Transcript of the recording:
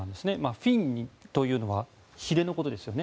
フィンニというのはひれのことですよね。